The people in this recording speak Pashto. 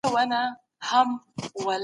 تاسو کولای شئ د پلان جوړوني په ګټو پوه شئ.